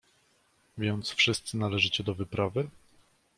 "więc wszyscy należycie do wyprawy?"